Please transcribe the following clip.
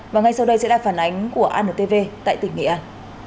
và ngay sau đây sẽ là phản ánh của antv tại tỉnh nghệ an